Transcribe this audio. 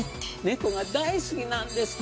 ネコが大好きなんです。